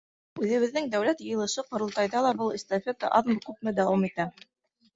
Үҙебеҙҙең Дәүләт Йыйылышы — Ҡоролтайҙа ла был эстафета аҙмы-күпме дауам итә.